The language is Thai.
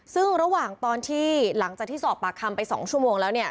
ซึ่งระหว่างตอนที่หลังจากที่สอบปากคำไป๒ชั่วโมงแล้วเนี่ย